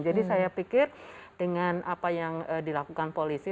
jadi saya pikir dengan apa yang dilakukan polisi